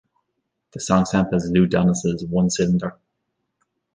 The song samples Lou Donaldson's "One Cylinder".